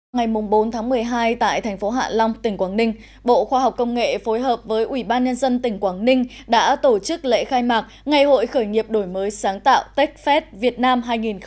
ngày bốn tháng một mươi hai tại thành phố hạ long tỉnh quảng ninh bộ khoa học công nghệ phối hợp với ủy ban nhân dân tỉnh quảng ninh đã tổ chức lễ khai mạc ngày hội khởi nghiệp đổi mới sáng tạo techfest việt nam hai nghìn một mươi chín